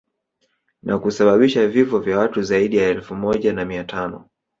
Na kusababisha vifo vya watu zaidi ya elfu moja na mia tano